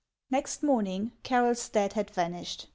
Next morning Carroll Stadt had vanished.